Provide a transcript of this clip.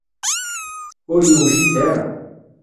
Ur yewjid ara.